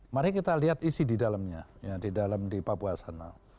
mari kita lihat isi di dalamnya di dalam di papua sana